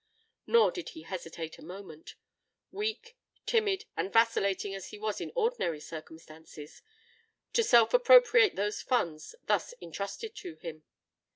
Nor did he hesitate a moment—weak, timid, and vacillating as he was in ordinary circumstances—to self appropriate those funds thus entrusted to him.